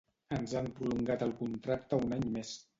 Ens han prolongat el contracte un any més